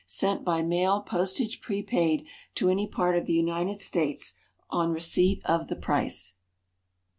_Sent by mail, postage prepaid, to any part of the United States, on receipt of the price.